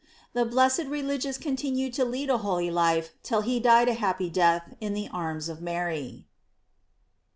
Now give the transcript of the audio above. The blessed religious contin ued to lead a holy life till he died a happy death in the arms of Mary.